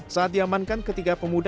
saat diamankan ketiga pemuda